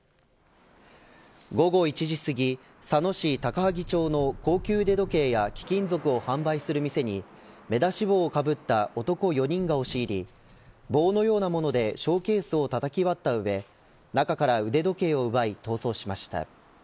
午後１時すぎ佐野市高萩町の高級腕時計や貴金属を販売する店に目出し帽をかぶった男４人が押し入り棒のようなものでショーケースをたたき割った上中から腕時計を奪い逃走しました。